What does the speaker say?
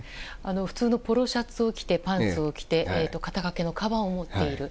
普通のポロシャツを着てパンツをはいて肩掛けのかばんを持っている。